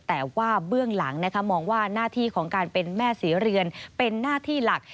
แต่ว่าเบื้องหลังมองว่าหน้าที่ของการเป็นแม่ศรีเรือนเป็นหน้าที่หลัก